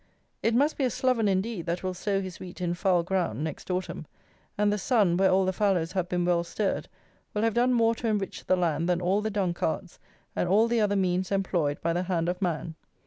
It must be a sloven indeed that will sow his wheat in foul ground next autumn; and the sun, where the fallows have been well stirred, will have done more to enrich the land than all the dung carts and all the other means employed by the hand of man.